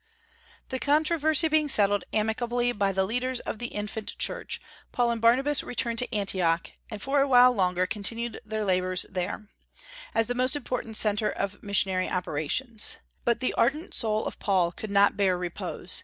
The controversy being settled amicably by the leaders of the infant Church, Paul and Barnabas returned to Antioch, and for a while longer continued their labors there, as the most important centre of missionary operations. But the ardent soul of Paul could not bear repose.